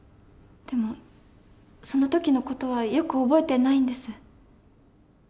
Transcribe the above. でもその時の事はよく覚えてないんです。